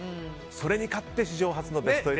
それに勝って史上初のベスト８に。